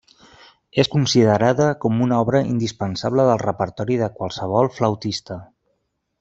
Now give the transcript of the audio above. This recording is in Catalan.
És considerada com una obra indispensable del repertori de qualsevol flautista.